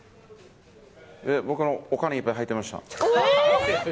僕のは、お金がいっぱい入ってました。